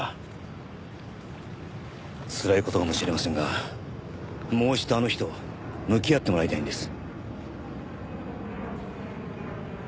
つらい事かもしれませんがもう一度あの日と向き合ってもらいたいんです。